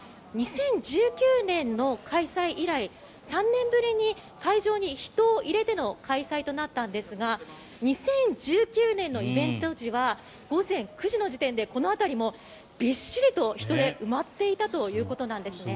２０１９年の開催以来３年ぶりに会場に人を入れての開催となったんですが２０１９年のイベント時は午前９時の時点でこの辺りもびっしりと人で埋まっていたということなんですね。